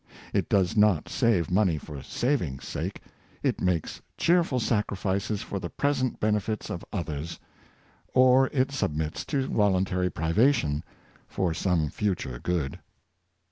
It does not save money for saving's sake. It makes cheerful sacrifices for the present benefits of others; or it submits to voluntary privation for some future good.